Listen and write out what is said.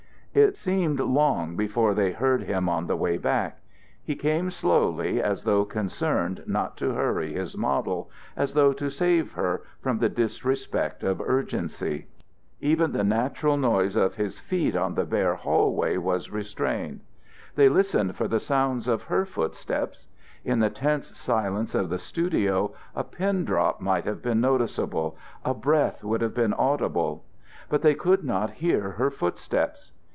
It seemed long before they heard him on the way back. He came slowly, as though concerned not to hurry his model, as though to save her from the disrespect of urgency. Even the natural noise of his feet on the bare hallway was restrained. They listened for the sounds of her footsteps. In the tense silence of the studio a pin drop might have been noticeable, a breath would have been audible; but they could not hear her footsteps.